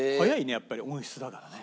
やっぱり温室だからね。